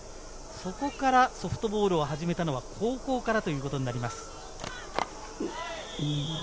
そこからソフトボールを始めたのは高校からとなります。